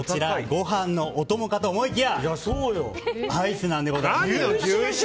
ご飯のお供かと思いきやアイスなんでございます。